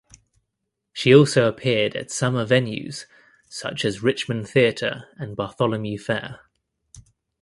She also appeared at summer venues such as Richmond Theatre and Bartholomew Fair.